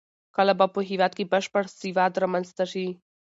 کله به په هېواد کې بشپړ سواد رامنځته شي؟